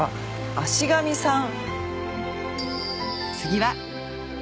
「足神さん」。